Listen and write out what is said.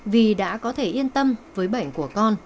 vì đã có thể yên tâm với bệnh của con